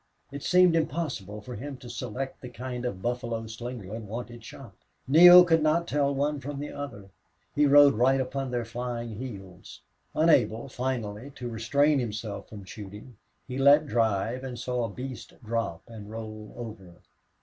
It seemed impossible for him to select the kind of buffalo Slingerland wanted shot. Neale could not tell one from the other. He rode right upon their flying heels. Unable, finally, to restrain himself from shooting, he let drive and saw a beast drop and roll over.